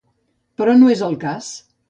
Però no és el cas.